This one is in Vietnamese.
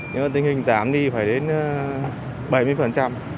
nhưng mà tình hình giảm đi phải đến bảy mươi